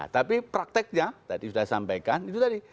tapi prakteknya tadi sudah sampaikan itu tadi